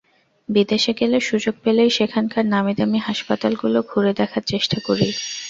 বিদেশে গেলে সুযোগ পেলেই সেখানকার নামীদামি হাসপাতালগুলো ঘুরে দেখার চেষ্টা করি।